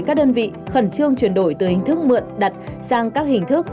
các đơn vị khẩn trương chuyển đổi từ hình thức mượn đặt sang các hình thức